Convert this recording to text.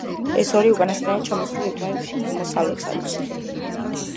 ეს ორი უკანასკნელი ჩამოსული იყვნენ მოსალოცად.